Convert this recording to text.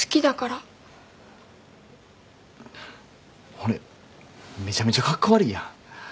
俺めちゃめちゃカッコ悪いやん。